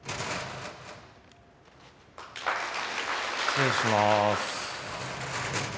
失礼します。